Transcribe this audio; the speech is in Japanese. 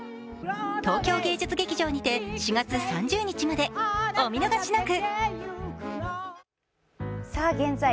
東京芸術劇場にて４月３０日までお見逃しなく。